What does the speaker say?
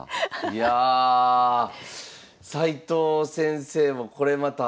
いやあ齊藤先生もこれまた。